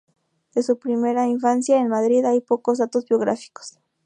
De su primera infancia en Madrid hay pocos datos biográficos.